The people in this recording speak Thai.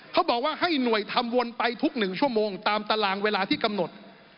เขาบอกว่าให้หน่วยทำวนไปทุก๑ชั่วโมงตามตารางเวลาที่กำหนด